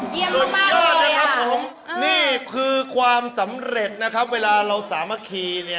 อย่าลืมมันจับกระดาษให้ดี